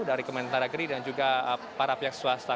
dari kementerian dalam negeri dan juga dari kementerian dalam negeri